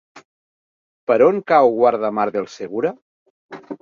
Per on cau Guardamar del Segura?